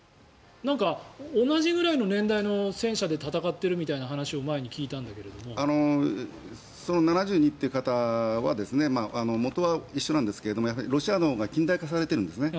なんか同じぐらいの年代の戦車で戦ってるみたいな話を７２という型は元は一緒なんですがロシアのほうが近代化されてるんですね。